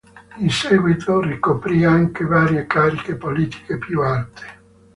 In seguito ricoprì anche varie cariche politiche più alte.